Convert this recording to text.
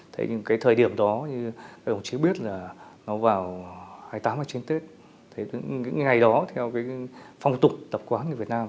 thời điểm đó ông trung biết là vào hai mươi tám hai mươi chín tết những ngày đó theo phong tục tập quán việt nam